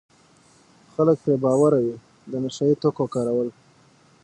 خلک پرې بې باوره وي د نشه یي توکو کارول.